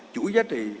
chủ giá trị